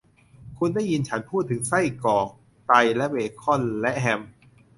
คุณได้ยินฉันพูดถึงไส้กรอก ไตและเบคอนและแฮม